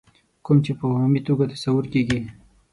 کوم چې په عمومي توګه تصور کېږي.